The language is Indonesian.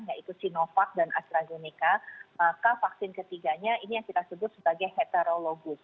yaitu sinovac dan astrazeneca maka vaksin ketiganya ini yang kita sebut sebagai heterologus